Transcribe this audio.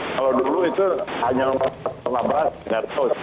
kalau dulu itu hanya